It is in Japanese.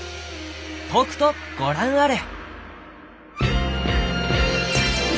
とくとご覧あれ！